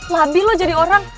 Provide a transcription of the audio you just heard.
labi lo jadi orang